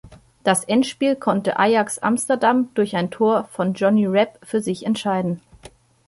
Das Endspiel konnte Ajax Amsterdam durch ein Tor von Johnny Rep für sich entscheiden.